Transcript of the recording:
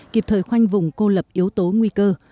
kịp thời khoanh vùng cô lập yếu tố nguy cơ